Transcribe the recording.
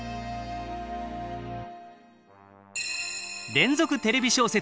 連続テレビ小説